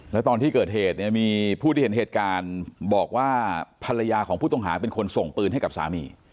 แล้วตอนที่เกิดเหตุเนี่ยมีผู้ที่เห็นเหตุการณ์บอกว่าภรรยาของผู้ต้องหาเป็นคนส่งปืนให้กับสามี